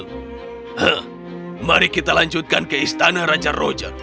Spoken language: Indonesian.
hah mari kita lanjutkan ke istana raja roger